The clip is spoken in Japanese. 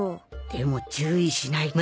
でも注意しないと。